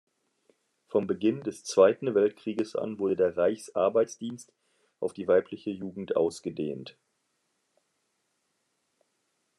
Vom Beginn des Zweiten Weltkrieges an wurde der Reichsarbeitsdienst auf die weibliche Jugend ausgedehnt.